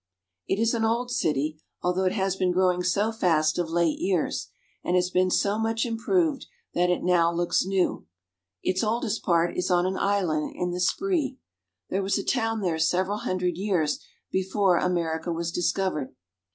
It is an old city, although it has been growing so fast of late years, and has been so much improved, that it now looks new. Its oldest part is on an island in the Spree. There was a town there several hundred years before America was discovered.